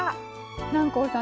南光さん